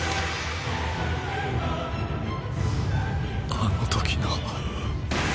あの時の。